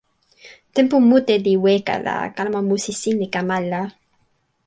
tenpo mute li weka la, kalama musi sin li kama ala.